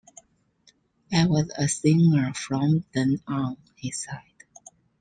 I was a singer from then on, he said.